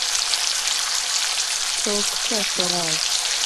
Tok teko rach